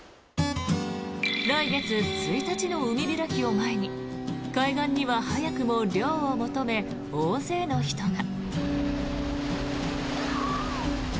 来月１日の海開きを前に海岸には早くも涼を求め大勢の人が。